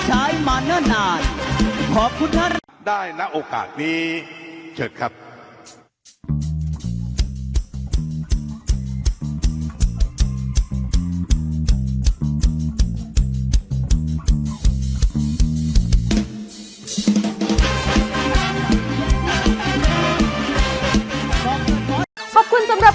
สวัสดีครับ